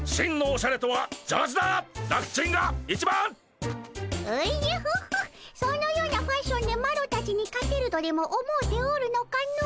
おじゃホッホそのようなファッションでマロたちに勝てるとでも思うておるのかの？